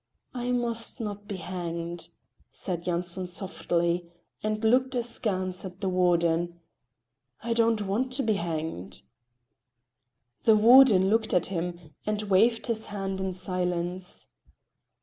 "I must not be hanged," said Yanson softly, and looked askance at the warden. "I don't want to be hanged." The warden looked at him and waved his hand in silence.